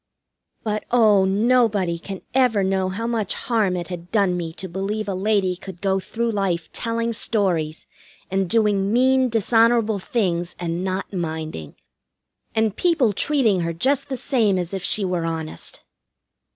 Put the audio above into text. But, oh, nobody can ever know how much harm it had done me to believe a lady could go through life telling stories, and doing mean, dishonorable things, and not minding. And people treating her just the same as if she were honest!